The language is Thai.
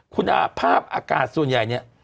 คุณภาพอากาศส่วนใหญ่เนี่ย